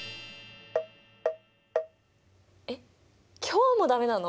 えっ今日も駄目なの！？